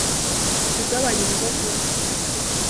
Jya ugabanya inzoga unywa